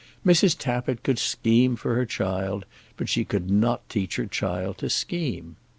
Mrs. Tappitt could scheme for her child, but she could not teach her child to scheme.